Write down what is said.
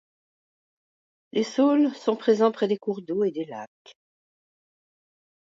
Les saules sont présents près de cours d'eau et des lacs.